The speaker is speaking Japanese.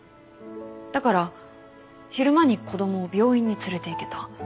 だから昼間に子供を病院に連れていけた。